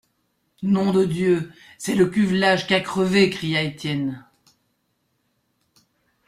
Nom de Dieu ! c'est le cuvelage qui a crevé, cria Étienne.